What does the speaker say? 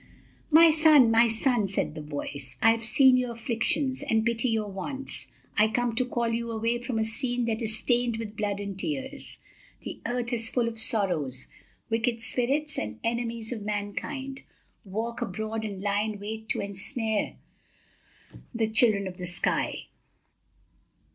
"My son, my son," said the voice, "I have seen your afflictions, and pity your wants. I come to call you away from a scene that is stained with blood and tears. The earth is full of sorrows. Wicked spirits, the enemies of mankind, walk abroad and lie in wait to ensnare the children of the sky.